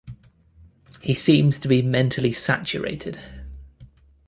He seems to be mentally saturated.